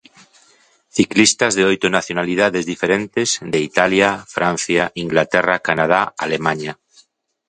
Ciclistas de oito nacionalidades diferentes, de Italia, Francia, Inglaterra, Canadá, Alemaña.